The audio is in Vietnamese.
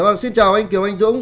dạ vâng xin chào anh kiều anh dũng